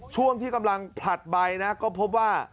ช่วงที่กำลังผลัดใบนะก็พบว่า